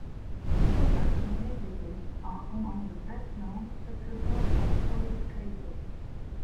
Skopas and Lysippus are among the best-known successors of Polykleitos.